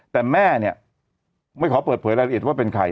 แต่แม่เนี่ยไม่ขอเปิดเผยรายละเอียดว่าเป็นใคร